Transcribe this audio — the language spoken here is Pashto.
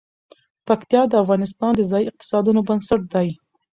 پکتیا د افغانستان د ځایي اقتصادونو بنسټ دی.